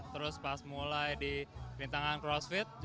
terus pas mulai di rintangan crossfit